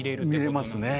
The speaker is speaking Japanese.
見れますね。